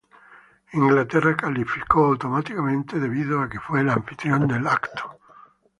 Inglaterra calificó automáticamente debido a que fue el anfitrión del evento.